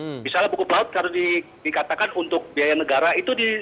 misalnya buku pelaut harus dikatakan untuk biaya negara itu di